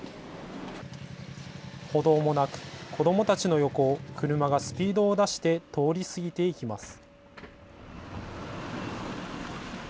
歩道もなく、子どもたちの横を車がスピードを出して通り過ぎていきます。